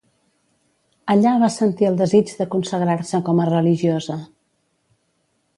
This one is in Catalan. Allà va sentir el desig de consagrar-se com a religiosa.